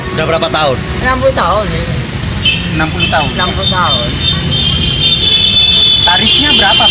sudah berapa tahun enam puluh tahun